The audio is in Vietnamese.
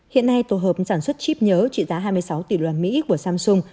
hiện nay tổ hợp sản xuất chip nhớ trị giá hai mươi sáu tỷ đoàn mỹ của samsung